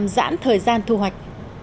giảm khó khăn thu hoạch